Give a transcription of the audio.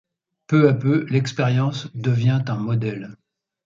Peu à peu, l'expérience devient un modèle.